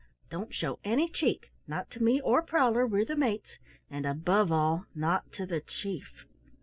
Don't show any cheek not to me or Prowler, we're the mates and above all, not to the Chief!"